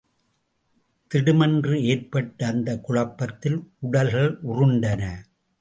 திடுமென்று ஏற்பட்ட அந்தக் குழப்பத்தில் உடல்கள் உருண்டன.